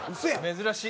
珍しい。